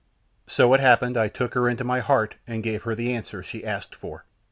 So it happened I took her into my heart and gave her the answer she asked for.